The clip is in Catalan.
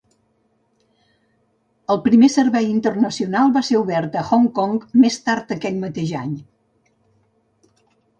El primer servei internacional va ser obert a Hong Kong més tard aquell mateix any.